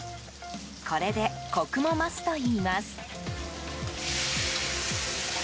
これで、コクも増すといいます。